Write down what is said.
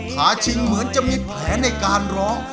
ท้าชิงเหมือนจะมีแผนในการร้อง